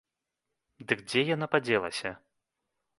Дык дзе яна падзелася?